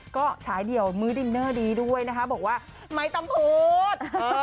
ก็ฉายเดี่ยวมื้อดินเนอร์ดีด้วยนะคะบอกว่าไม่ต้องพูด